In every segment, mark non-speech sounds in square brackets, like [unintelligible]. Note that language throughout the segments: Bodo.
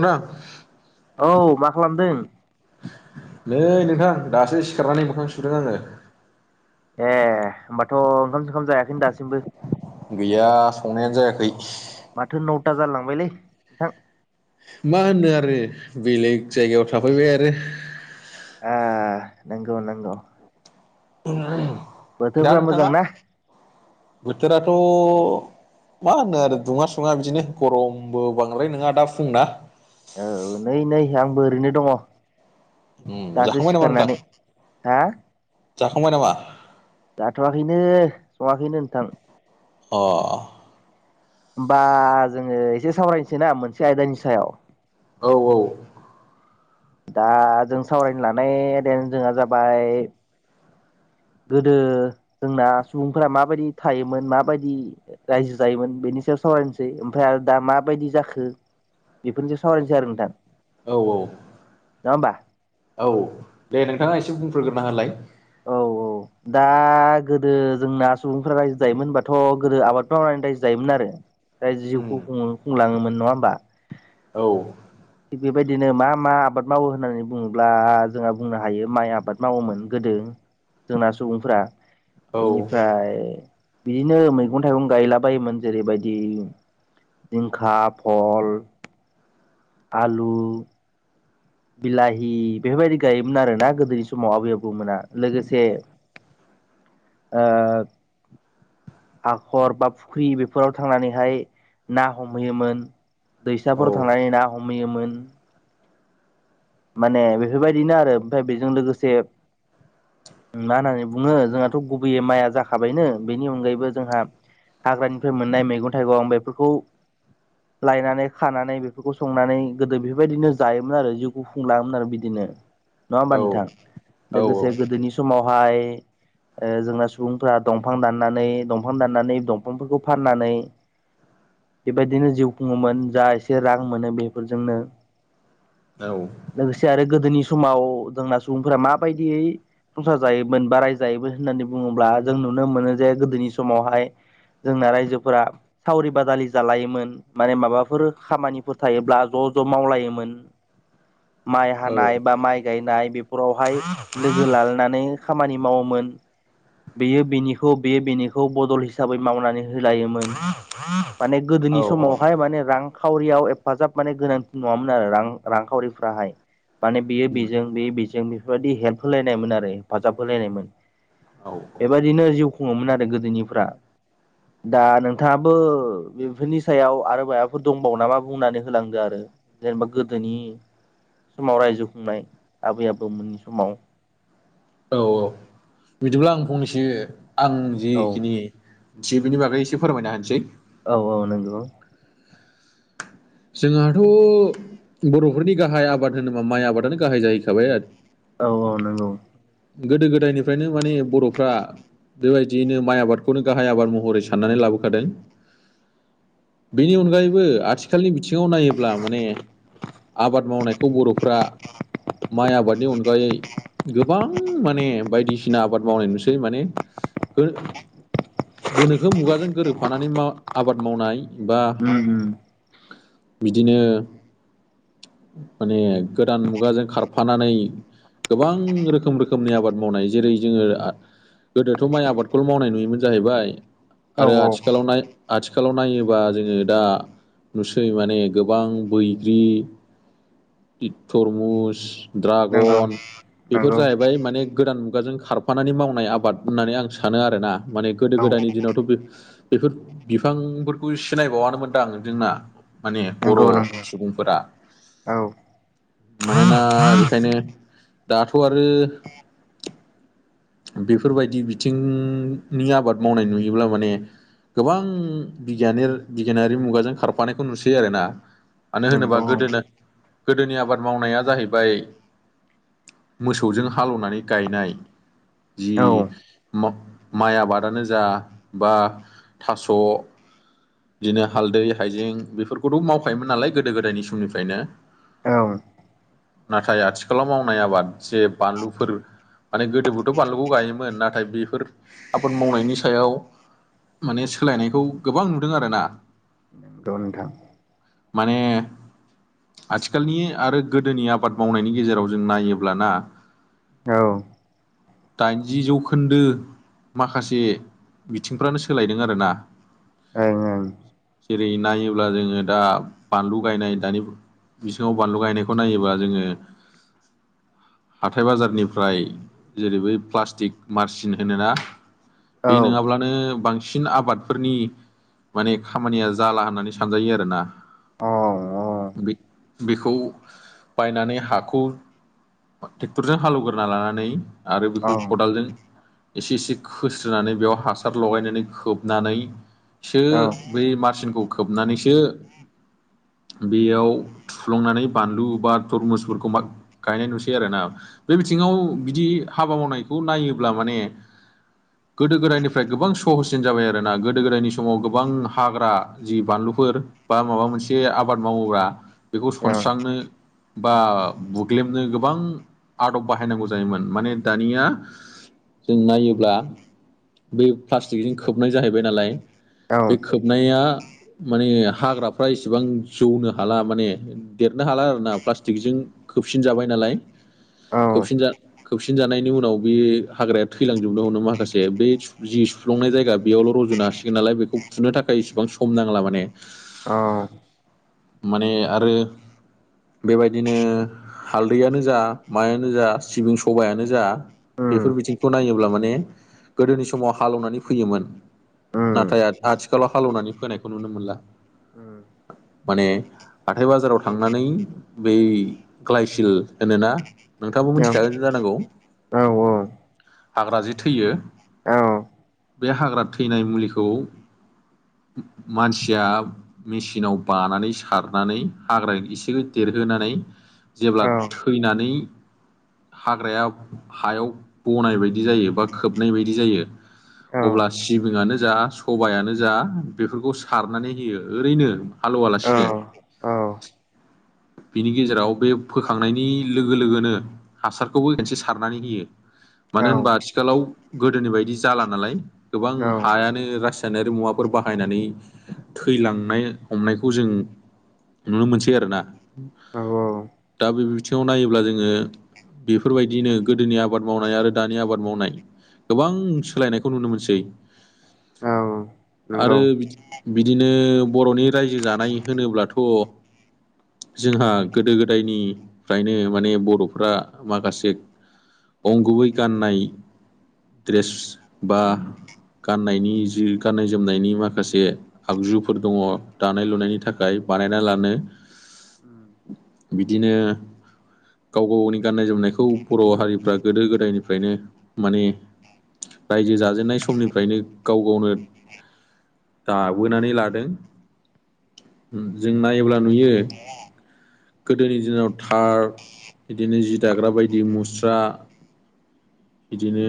नोंथां औ मा खालामदों? नै नोंथां दासो सिखारनानै मोखां सुदों आङो ए होमबाथ' ओंखाम सोंंखाम जायाखै दासिमबो गैया [unintelligible] माथो नौथा जालालांबायलै नोंथां मा होनो आरो बेलेग जायगायाव थाफैबाय आरो आ नंगौ नगौ। दा मोजां नोंथाङा ना बोथोराथ' मा होनो आरो दुङा सुङा बिदिनो गरमबो बांद्राय नङा दा फुंना औ नै नै आंबो ओरैनो दङ उम दासो जाखांबाय नामा नोंथां सिखारारनानानै हा जाखांबाय नामा जाथ'वाखैनो सङाखैनो नोंथां। अ। होमबा जोङो एसे सावरायनोसै ना मोनसे आयदानि सायाव औ औ। दा जों सावरायनो लानाय जोंहा जाबाय गोदो जोंना सुबुंफोरा माबायदि थायोमोन माबायदि रायजो जायोमोन बेनि नि सायाव सावरायनोसै ओमफ्राय आरो दा माबायदि जाखो बेफोरनि सायाव सावरायनोसै आरो नोंथां औ औ नङा होमबा औ दे नोंथाङा एसे बुंफोरग्रोना होलाय औ औ [inaudible] दा गोदो जोंना सुबुंफोरा रायजो जायोमोन होनबाथ' गोदो आबाद मावनानै रायजो जायोमोन आरो दाय उम जिउखौ खुंलाङोमोन नङा होमबा औ थिग बेबायदिनो मा मा आबाद मावो होननानै बुङोब्ला जोंहा बुंनो हायो माइ आबाद मावोमोन गोदो जोंना सुबुंफोरा औ बेनिफ्राय बिदिनो मैगं थाइगं गायलाबायायोमोन जेरैबायदि जिंखा फल आलु बिलाहि बेफोरबायदि गायोमोन आरोना गोदोनि समाव आबै आबौमोना लोगोसे [inaudible] ओ हाखर बा फुख्रि बेफोराव थांनानैहाय ना हमहैयोमोन औ दैसाफोर थांनानै ना हमहैयोमोन माने बेफोरबायदिनो आरो ओमफ्राय बेजों लोगोसे मा होननानै बुङो जोंहाथ' गुबैयै माइया जाखाबायनो बेनि अनगायैबो जोंहा हाग्रानिफ्राय मोननाय मैगं थाइगं बेफोरखौ लायनानै खानानै बेफोरखौ संनानै गोदो बेफोरबायदिनो जायोमोन आरो जि गुफुंलाङोमोन आरो बिदिनो नङा होमबा औ नोंथां औ लोगोसे गोदोनि समावहाय जोंना सुबुंफा दंफां दाननानै दंफां दाननानै दंफांफोरखौ फाननानै बेबायदिनो जिउ खुङोमोन जा एसे रां मोनो बेफोरजोंनो औ लोगोसे आरो गोदोनि समाव जोंना सुबुंफोरा माबायदियै संसार जायोमोन बा रायजायोमोन होननानै बुङोब्ला जों नुनो मोनो जे गोदोनि समावहाय जोंना रायजोफोरा सावरि बादालि जालायोमोन माने माबाफोर खामानिफोर थायोब्ला ज' ज' ज' मावलायोमोन माइ औ हानाय बा माइ गायनाय बेफोरावहाय लोगो लालानानै खामानि मावोमोन बेयो बेनिखौ बेयो बेनिखौ बदल हिसाबै मावनानै होलायोमोन माने गोदोनि औ औ समावहाय माने। रांखावरियाव हेफाजाब माने गोनांथि नङामोन आरो रां रांखावरिफ्राहाय। माने बेयो उम, बेजों बेयो बेजों बेफोरबायदि हेल्प होलायनायमोन आरो हेफाजाब होलायनायमोन। औ बेबायदिनो जिउ खुङोमोन आरो गोदोनिफ्रा। दा नोंथाङाबो बेफोरनि सायाव आरो माबाफोर दंबावो नामा बुंनानै होलांदो आरो। जेनेबा गोदोनि। समाव रायजो खुंनाय आबै आबौमोननि समाव। औ औ बिदिब्ला आं फंनैसो आं औ जिखिनि। थियो बिनि बागै एसे फोरमायना होनोसै। औ औ नंगौ जोंहाथ बरफोरनि गाहाय आबाद होनोबा माइ आबादानो गाहाय जाहैखाबाय आरो। औ औ नंगौ गोदो गोदायनिफ्रायनो माने बरफ्रा। बेबायदियैनो माइ आबादखौनो गाहाय आबाद महरै साननानै लाबोखादों। बेनि अनगायैबो आथिखा ङाव नायोब्ला माने आबाद मावनायखौ बरफ्रा माइ आबादनि अन यै गोबां माने बायदिसिना आबाद मावनाय नुसै माने। गो-गोनोखो मुगाजों गोरोबफानानै आबाद मावनाय। बा उम उम बिदिनो माने गोदान मुगाजों खारफानानै। गोबां रोखोम रोखोमनि आबाद मावनाय जेरै जोङो। गोदोथ माइ आबादखौल मावनाय नुयोमोन जाहैबाय। औ आरो औ आथिखालाव नय-आथिखालाव नायोबा जोङो दा। नुसै माने गोबां बैग्रि थरमुस। नंगौ ड्रागन बेफोर नंगौ जाहैबाय माने गोदान मुगाजों। खारफानानै मावनाय आबाद होननानै आं सानो आरोोना माने गोदो औ गोदायनि दिनावथ बे बेफोर बिफांफोरखौ सिनायबावानो मोनदां जोंना। माने बर नंगौ नंगौ सुबुंफोरा। औ मानोना बेखायनो दाथ आरो। बेफोरबायदि बिथिंनि आबाद मावनाय नुयोब्ला माने। गोबां बियान बिगियानारि मुगाजों खारफ। फानायखौ नुसैयो आरो ना मानो होनोबा नंगौ गोदोना। गोदोनि आबाद मावनाया जाहैबाय। मोसौजों हालेवनानै गायनाय। जि औ औ माइ आबादानो जा बा थास बिनो हालदै। हाइजें बेफोरखौथ मावखायोमोन नालाय गोदो गोदायनि समनिफ्रायनो। औ नाथाय आथिखालाव मावनाय आबाद जे बानलुफोर। माने गोदोबोथ बानलुखौ गायोमोन नाथाय बेफोर आबाद मावनायनि सायाव। माने सोलायनायखौ गोबां नुदों आरो ना। नंगौ नोंथां माने आथिखालनि आरो गोदोनि आबाद मावनायनि गेजेराव जों नायोब्लाना। औ [inaudible] दाइनजि जौखोन्दो माखासे बिथिंफ्रानो सोलायदों आरोना। जेरै नायोब्ला जोङो दा बानलु गायनाय दानि। बिसङाव बानलु गायनायखौ नायोबा जोङो। हाथाय बाजारनिफ्राय जेरै बै प्लास्टिक मारसिन होनोना। बे ओं नङाब्लानो बांसिन आबादफोरनि माने खामानिया। जाला होननानै सानजायो आरो ना। ओं औ बेखौ बायनानै हाखौ। ट्रेक्टरजों हालौवगोरना लानानै आरो अ बेखौ खदालजों एसे एसे खोस्रोनानै बेयाव हासार लगायनानै खोबनानैसो बै मा खौ खोबनानैसो बेयाव थुफ्लंनानै बानलु बा थरमुसफोरखौ मा गायनाय नुसै आरोोना बे बिथिं नाव बिदि हाबा मावनायखौ नायोब्ला माने गोदो गोदायनिफ्राय गोबां सहसिन जाबाय आरोना गोदो गोदायनि समाव गोबां हाग्रा जि बानलुफोर बा माबा मोनसे आबाद मावोब्ला बेखौ अ सनस्रांनो बा बुग्लेबनो गोबां आदब बाहायनांगौ जायोमोन। माने दानिया जों नायोब्ला बे प्लास्टिकजों खोबनाय जाहैबाय नालाय, औ बे खोबनाया माने हाग्राफ्रा इसेबां जौनो हाला माने देरनो हाला आर ना प्लास्टिकजों खोबसिन जाबाय नालाय। औ खोबसिन जा - खोबसिन जानायनि उनाव बे हाग्राया थैलांजोबनो होनो माखासे बेसु जिस थुफ्लुंनाय जायगा बेयावल' रजुनो हासिगोन नालाय बेखौ फुनो थाखाय इसेबां सम नांला माने। औ माने आरो बेबायदिनो हालदैयानो जा मायानो जा सिबिं सबायानो जा उम बेफोर बिथिंखौ नायोब्ला माने गोदोनि समाव हालौवनानै फैयोमोन, उम नाथाय आथिखालाव हालेवनानै फोनायखौ नुनो मोनला। उम माने हाथाय बाजाराव थांनानै बै ग्लायसिल होनो ना नोंथाङाबो औ औ मिथिखागोन जा नांगौ। औ औ। हाग्रा जि थैयो औ बे हाग्रा थैनाय मुलिखौ मानसिया मेसिनाव बानानै सारनानै हाग्रा एसेखौ देरहोनानै नै जेब्ला थैनानै हाग्राया हायाव बनाय बायदि जायो बा खोबनाय बायदि जायो औ अब्ला सिबिंनो जा, सबायानो जा बेफोरखौ सारनानै होयो ओरैनो औ हालौवालासिनो। औ बिनि गेजेराव बे फोखांनायनि लोगो लोगोनो हासारखौबो खेनसे सारनानै होयो। मानो होनबा आथिखालाव गोदोनि बायदि जाला नालाय गोबां हायानो रासि नारि मुवाफोर बाहायनानै थैलांनाय हमनायखौ जों नुनो मोनसै आरोना। दा बे बिथिङाव नायोब्ला जोङो बेफोरबायदिनो गोदोनि आबाद मावनाय आरो दानि आबाद मावनाय गोबां सोलायनायखौ नुनो मोनसै। आरो नंगौ औ बिद- बिदिनो बर'नि रायजो जानाय होनोब्लाथ' जोंहा गोदो गोदायनिफ्रायनो माने बर'फ्रा माखासे अंगुबै गाननाय द्रेस बा गाननायनि जि गाननाय जोमनायनि माखासे आगजुफोर दङ दानाय लुनायनि थाखाय बानायना लानो बिदिनो गाव गावनि गाननाय जोमनायखौ बर' हारिफ्रा गोदो गोदायनिफ्रायनो माने रायजो जाजेननाय समनिफ्रायनो गाव गावनो दाबोनानै लादों। जों नायोब्ला नुयो गोदोनि दिनाव थार बिदिनो जि दाग्रा बायदि मुस्रा बिदिनो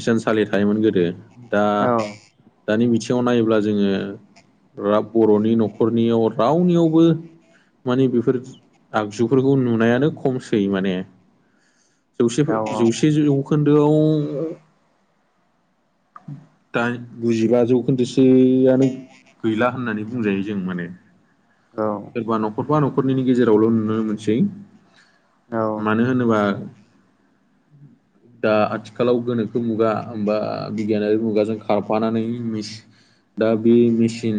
इसानसालि थायोमोन गोदो। दा औ दानि बिथिङाव नायोब्ला जोङो रा बर'नि न'खरनियाव रावनियावबो मानि बेफोर आगजुफोरखौ नुनायानो खमसै माने औ जौसे- औ जौसे जौखोन्दोआव दाइ गुजिब जौ खोन्दोसोआनो गैला होननानै बुंजायो जों माने सोरबा नखर खरफा न'खरनैनि गेजेरावल' नुनो मोनसै। मानो होनोबा दा आथिखालाव गोनोखो मुगा होमबा बिगियानारि मुगाजों खारफानानै मिस दा बे मेसिन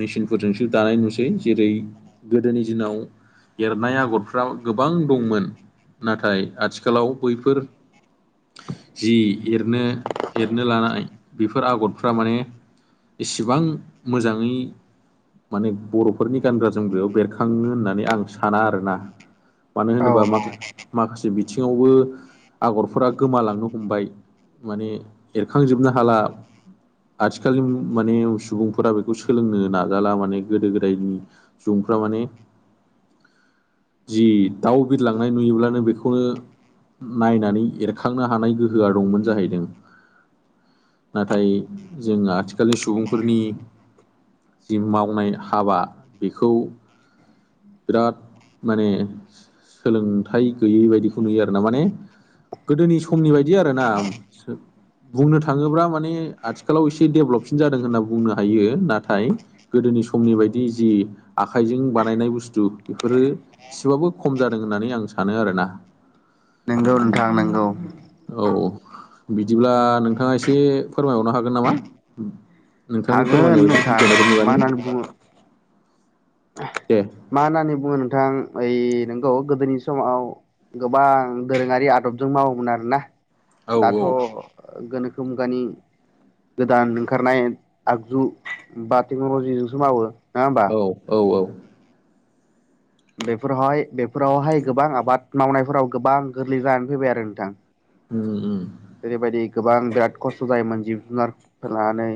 मेचिनफोरजोंसो दानाय नुसै जेरै गोदोनि दिनाव एरनाय आगरफ्रा गोबां दंमोन। नाथाय आथिखालाव बैफोर जि एरनो एरनो लानाय बेफोर आगरफ्रा माने इसेबां मोजाङै माने बर'फोरनि गानग्रा जोमग्रायाव बेरखाङो होननानै आं साना आरोना मानो होनोबा मा माखासे बिथिङावबो आगरफोरा गोमालांनो हमबाय। माने एरखांजोबनो हाला। आथिखालनि माने सुबुंफोरा बेखौ सोलोंनो नाजाला माने गोदो गोदायनि सुबुं फोरा माने जि दाउ बिरलांनाय नुयोब्लानो बेखौनो नायनानै एरखांनो हानाय गोहोआ दंमोन जाहैदों। नाथाय जों आथिखालनि सुबुंफोरनि जि मावनाय हाबा बेखौ बिराद माने सोलोंथाइ गैयै बायदिखौ नुयो आरो ना माने गोदोनि समनि बायदि आरो ना। बुंनो थाङोब्ला माने आथिखालाव एसे दडेभलपसिन जादों होनना बुंनो हायो नाथाय गोदोनि नि समनि बायदि जि आ आखाइजों बानायनाय बुस्थु बेफोरो एसेबाबो खम जादों होननानै आं सानो आरोना। नोंगौ नोंथां नोंगौ। औ बिदिब्ला नोंथाङा एसे फोरमायहरनो हागोन नामा? नोंथांनि हागोन फोरमायनाय बायदि नोंथां बिगियानारि मा मुगानि। होननानै बुङो दे मा होननानै बुङो नोंथां? ओइ नोंगौ गोदोनि समाव गोबां दोरोङारि आदबजों मावोमोन आरो ना। औ दाथ' गोनोखो मुगानि गोदान ओंखारनाय आगजु बा टेक्न'लजिजोंसो मावो। होमबा औ औ औ। बेफोरावहाय बेफोरावहाय गोबां आबाद मावनायफोराव गोबां गोरलै जानानै फैबाय आरो नोंथां। उम उम। जेरैबायदि गोबां बिराद खस्थ' जायोमोन जिब जुनार लानानै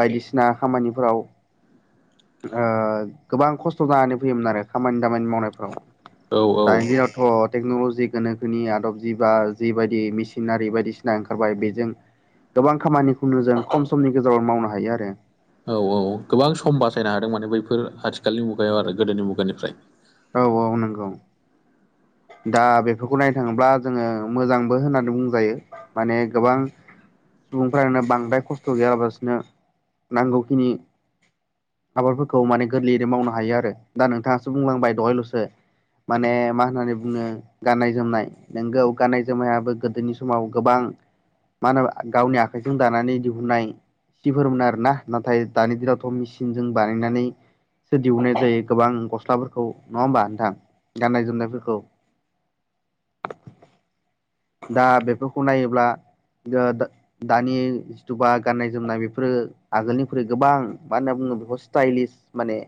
बायदिसिना खामानिफोराव ओ गोबां खस्थ' जानानै फैयोमोन आरो खामानि दामानि मावनायफ्राव। औ औ दानि दिनावथ' टेक्न'लजि गोनोखोनि आदब जि बा जिबायदि मिसि सिनारि बायदिसिना ओंखारबाय बेजों गोबां खामानिखौनो जों खम समनि गेजेराव मावनो हायो आरो। औ औ गोबां सम बासायनो हादों माने बैफोर आथिखालनि मुगायाव आरो गोदोनि मुगानिफ्राय। औ औ नंगौ। [inaudible] दा बेफोरखौ नायनो थाङोब्ला जोङो मोजांबो होननानै बुंजायो माने गोबां सुबुंफ्रानो बांद्राय खस्थ' गैयालासिनो नांगौखिनि आबादफोरखौ माने गोरलैयैनो मावनो हायो आरो दा नोंथाङासो बुंलांबाय दहायल'सो। माने मा होननानै बुङो गाननाय जोमनाय नोंगौ गाननाय जोमनायाबो गोदोनि समाव गोबां मा होनो गावनि आखाइजों दानानै दिहुननाय सिफोरमोन आरोना नाथाय दानि दिनावथ' मेचिनजों बानायनानै सो दिहुननाय जायो गोबां गस्लाफोरखौ। नङा होमबा नोंथां गाननाय जोमनायफोरखौ। दा बेफोरखौ नायोब्ला ओ दानि जिथुुबा गाननाय जोमनाय बेफोरो आगोलनिख्रुइ गोबां मा होनना बुङो सितायलिस माने